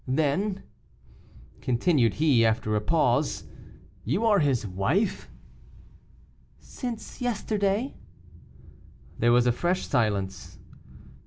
Then," continued he, after a pause, "you are his wife?" "Since yesterday." There was a fresh silence.